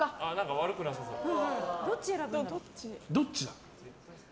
どっちだ？